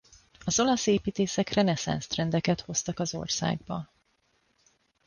Az olasz építészek reneszánsz trendeket hoztak az országba.